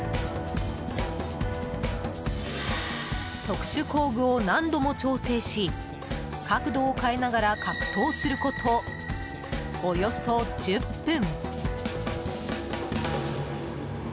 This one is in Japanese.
特殊工具を何度も調整し角度を変えながら格闘すること、およそ１０分。